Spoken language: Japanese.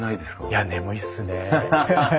いや眠いっすね。